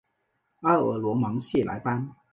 阿尔罗芒谢莱班。